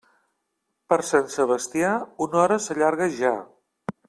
Per Sant Sebastià, una hora s'allarga ja.